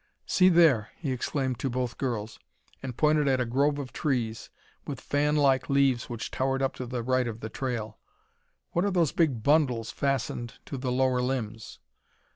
"See there," he exclaimed to both girls, and pointed at a grove of trees with fanlike leaves which towered up to the right of the trail. "What are those big bundles fastened to the lower limbs?"